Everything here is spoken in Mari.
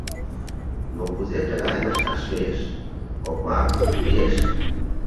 «Но кузе тыгайым ышташ лиеш?» «Окмак, лиеш».